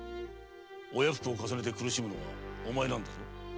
親不孝を重ねて苦しむのはお前なんだぞ。